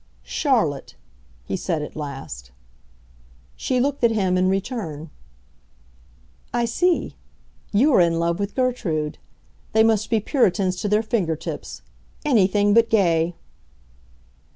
"Charlotte," he said at last. She looked at him in return. "I see. You are in love with Gertrude. They must be Puritans to their finger tips; anything but gay!"